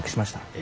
え？